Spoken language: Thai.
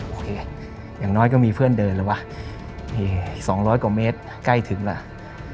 โอเคอย่างน้อยก็มีเพื่อนเดินแล้ววะ๒๐๐กว่าเมตรใกล้ถึงล่ะ